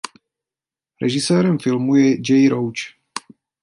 Režisérem filmu je Jay Roach.